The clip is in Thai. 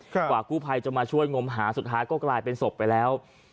กว่ากู้ภัยจะมาช่วยงมหาสุดท้ายก็กลายเป็นศพไปแล้ว